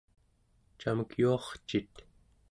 camek yuarcit?